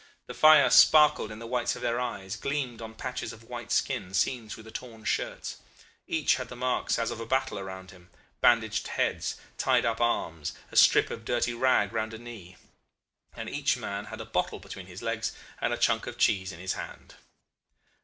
The fire sparkled in the whites of their eyes, gleamed on patches of white skin seen through the torn shirts. Each had the marks as of a battle about him bandaged heads, tied up arms, a strip of dirty rag round a knee and each man had a bottle between his legs and a chunk of cheese in his hand.